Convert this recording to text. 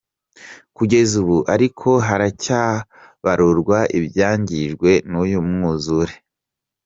Kugeza ubu ariko haracyabarurwa ibyangijwe n’uyu mwuzure.